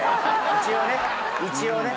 一応ね一応ね。